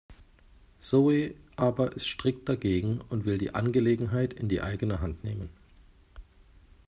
Zooey aber ist strikt dagegen und will die Angelegenheit in die eigene Hand nehmen.